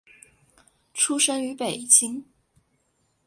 出生于北京。